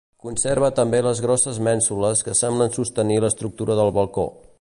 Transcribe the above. Conserva també les grosses mènsules que semblen sostenir l'estructura del balcó.